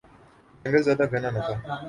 جنگل زیادہ گھنا نہ تھا